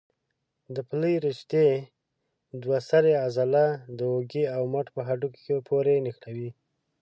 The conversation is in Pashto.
د پلې رشتې دوه سره عضله د اوږې او مټ په هډوکو پورې نښلوي.